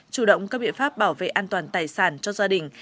chủ động các biện pháp bảo vệ an toàn tài sản cho gia đình